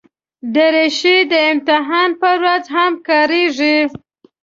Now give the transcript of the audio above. دریشي د امتحان پر ورځ هم کارېږي.